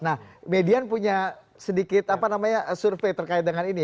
nah median punya sedikit apa namanya survei terkait dengan ini